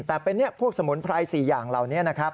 แต่เป็นพวกสมุนไพรสี่อย่างเหล่านี้